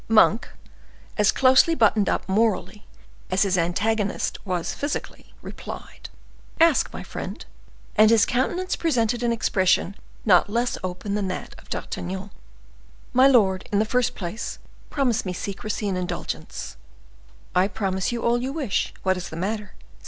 Monk, as closely buttoned up morally as his antagonist was physically, replied: "Ask, my friend;" and his countenance presented an expression not less open than that of D'Artagnan. "My lord, in the first place, promise me secrecy and indulgence." "I promise you all you wish. What is the matter?